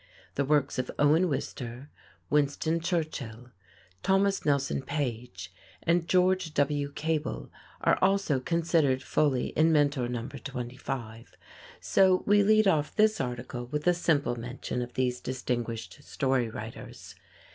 The works of Owen Wister, Winston Churchill, Thomas Nelson Page and George W. Cable are also considered fully in Mentor Number 25, so we lead off this article with a simple mention of these distinguished story writers.